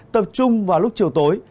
tập trung vào lúc chiều tối